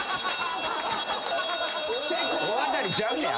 大当たりちゃうねん。